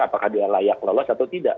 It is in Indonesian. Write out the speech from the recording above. apakah dia layak lolos atau tidak